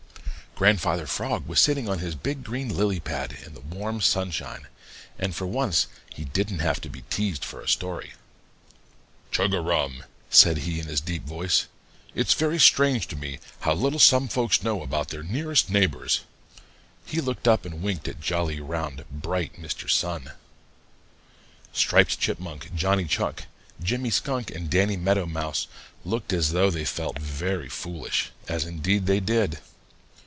Grandfather Frog was sitting on his big green lily pad in the warm sunshine, and for once he didn't have to be teased for a story. "Chug a rum!" said he in his deep voice. "It's very strange to me how little some folks know about their nearest neighbors." He looked up and winked at jolly, round, bright Mr. Sun. Striped Chipmunk, Johnny Chuck, Jimmy Skunk, and Danny Meadow Mouse looked as though they felt very foolish, as indeed they did.